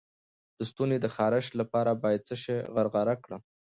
د ستوني د خارش لپاره باید څه شی غرغره کړم؟